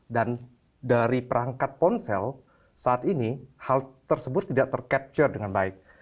dan dari perangkat ponsel saat ini hal tersebut tidak ter capture dengan baik